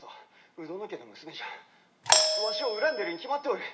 鵜殿家の娘じゃわしを恨んでるに決まっておる！